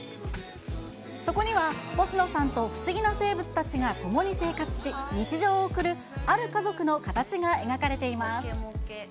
そこには星野さんと不思議な生物たちが共に生活し、日常を送るある家族の形が描かれています。